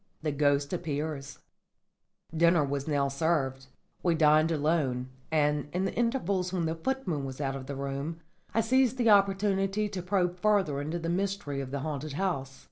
THE GHOST APPEARS Dinner was now served. We dined alone, and, in the intervals when the footman was out of the room, I seized the opportunity to probe further into the mystery of the haunted house.